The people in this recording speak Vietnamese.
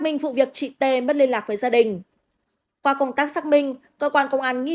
định được chị tê mất liên lạc với gia đình qua công tác xác minh cơ quan công an nghi